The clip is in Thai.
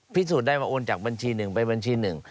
พิสูจน์ได้ว่าโอนจากบัญชีหนึ่งไปบัญชีหนึ่ง